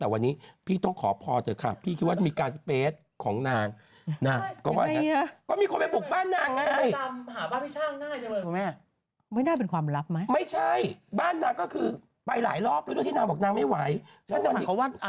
ไม่ใช่บ้านนางก็คือไปหลายรอบด้วยด้วยที่นางบอกนางไม่ไหว